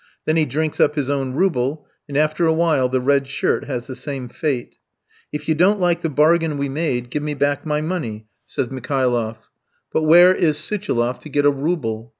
Then he drinks up his own rouble, and after a while the red shirt has the same fate. "If you don't like the bargain we made, give me back my money," says Mikhailoff. But where is Suchiloff to get a rouble?